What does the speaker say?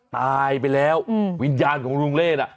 ตายไปแล้ววิญญาณของลุงเลศน่ะ